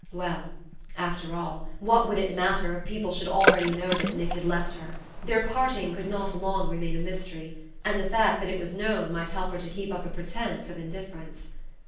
Well after all, what would it matter if people should already know that Nick had left her? Their parting could not long remain a mystery, and the fact that it was known might help her to keep up a presence of indifference.